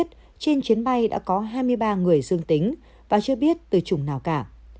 trên chiến bay đã có hai mươi ba người dương tính và chưa biết từ chủng nào cả